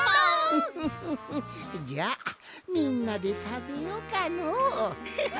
フフフじゃあみんなでたべようかの。わ！